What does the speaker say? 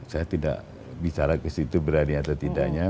saya tidak bicara ke situ berani atau tidaknya